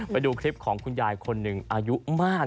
ไปดูคลิปของคุณยายคนหนึ่งอายุมาก